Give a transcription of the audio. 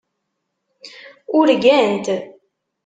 Urgant.